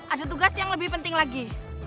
ada tugas yang lebih penting lagi